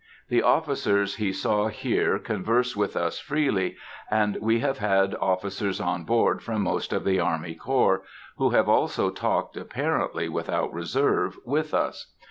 The officers he saw here converse with us freely, and we have had officers on board from most of the army corps, who have also talked, apparently without reserve, with us.